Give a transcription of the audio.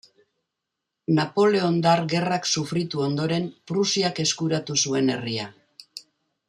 Napoleondar Gerrak sufritu ondoren Prusiak eskuratu zuen herria.